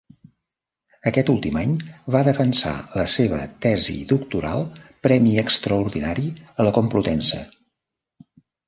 Aquest últim any va defensar la seva tesi doctoral, premi extraordinari a la Complutense.